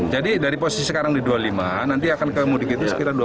jadi dari posisi sekarang di dua puluh lima nanti akan ke mudik itu sekitar dua puluh lima